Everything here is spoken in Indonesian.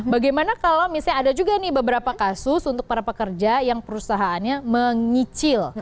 bagaimana kalau misalnya ada juga nih beberapa kasus untuk para pekerja yang perusahaannya menyicil